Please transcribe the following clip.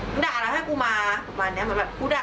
มึงด่าอะไรให้กูมาประมาณนี้